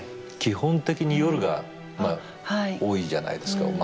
基本的に夜がまあ多いじゃないですか。